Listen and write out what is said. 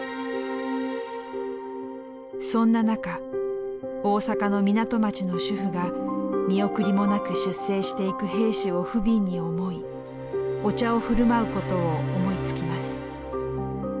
そんな中大阪の港町の主婦が見送りもなく出征していく兵士をふびんに思いお茶を振る舞うことを思いつきます。